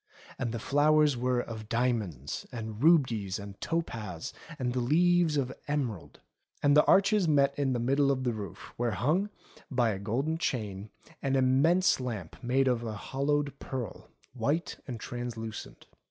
And the flowers were of diamonds, and rubies, and topaz, and the leaves of emerald. And the arches met in the middle of the roof where hung, by a golden chain, an immense lamp made of a hollowed pearl, white and translucent.